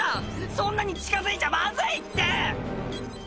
そんなに近づいちゃまずいって！